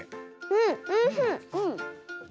うん。